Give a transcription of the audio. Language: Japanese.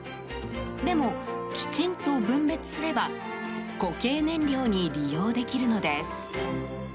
でも、きちんと分別すれば固形燃料に利用できるのです。